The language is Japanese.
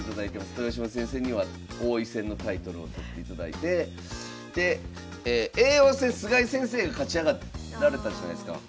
豊島先生には王位戦のタイトルを取っていただいて叡王戦菅井先生が勝ち上がられたじゃないすか。